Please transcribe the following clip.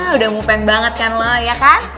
udah mopen banget kan lo ya kan